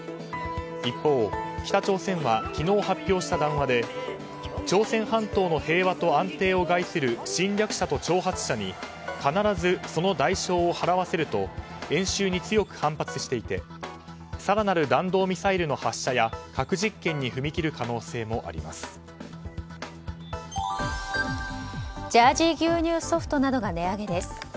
一方、北朝鮮は昨日発表した談話で朝鮮半島の平和と安定を害する侵略者と挑発者に必ずその代償を払わせると演習に強く反発していて更なる弾道ミサイルの発射や核実験に踏み切るジャージー牛乳ソフトなどが値上げです。